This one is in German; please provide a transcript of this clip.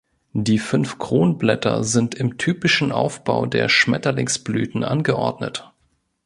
Die fünf Kronblätter sind im typischen Aufbau der Schmetterlingsblüten angeordnet.